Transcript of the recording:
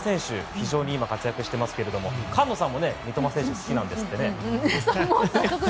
非常に活躍していますけど菅野さんも三笘選手が好きなんですってね。